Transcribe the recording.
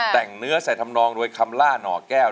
แต่งเนื้อใส่ทำนองโดยคำล่าหน่อแก้ว